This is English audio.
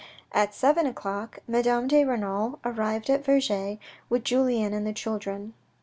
At seven o'clock, Madame de Renal arrived at Vergy with Julien and the children.